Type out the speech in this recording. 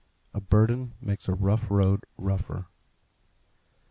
A BURDEN MAKES A ROUGH ROAD ROUGHER.